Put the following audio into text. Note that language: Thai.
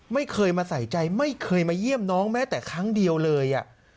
ไม่เคยมาใส่ใจไม่เคยมาเยี่ยมน้องแม้แต่ครั้งเดียวเลย